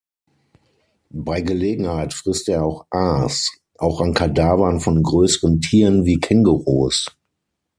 Bei Gelegenheit frisst er auch Aas, auch an Kadavern von größeren Tieren wie Kängurus.